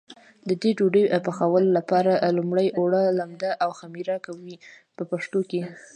د دې ډوډۍ پخولو لپاره لومړی اوړه لمد او خمېره کوي په پښتو کې.